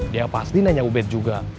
dia pasti nanya ubed juga